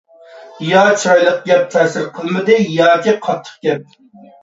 يا چىرايلىق گەپ تەسىر قىلمىدى، ياكى قاتتىق گەپ.